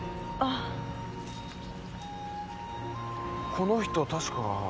この人確か。